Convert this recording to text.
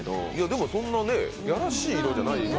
でもそんないやらしい色じゃない。